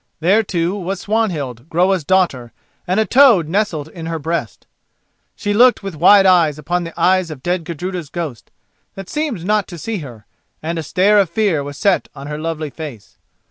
There, too, was Swanhild, Groa's daughter, and a toad nestled in her breast. She looked with wide eyes upon the eyes of dead Gudruda's ghost, that seemed not to see her, and a stare of fear was set on her lovely face.